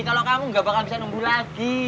kalau kamu gak bakal bisa numbuh lagi